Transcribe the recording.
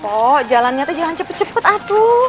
pok jalan nyata jalan cepet cepet aku